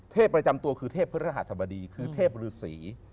เทพประจำตัวคือเทพพฤหาสมดีคือเทพรูศรี